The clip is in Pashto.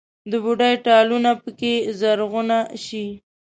د بوډۍ ټالونه پکښې زرغونه شي